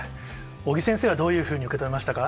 尾木先生はどういうふうに受け止めましたか。